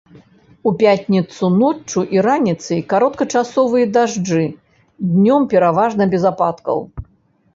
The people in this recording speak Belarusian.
У пятніцу ноччу і раніцай кароткачасовыя дажджы, днём пераважна без ападкаў.